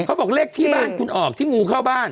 เขาบอกเลขที่บ้านคุณออกที่งูเข้าบ้าน